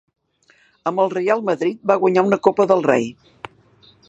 Amb el Reial Madrid va guanyar una Copa del Rei.